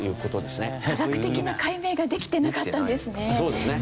科学的な解明ができてなかったんですね。